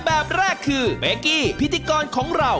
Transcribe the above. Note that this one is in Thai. แบบแรกคือเบกกี้พิธีกรของเรา